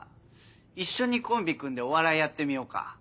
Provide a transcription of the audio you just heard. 一緒にコンビ組んでお笑いやってみようか。